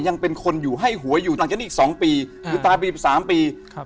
สื่อกันไหมสื่อคุยกันไหม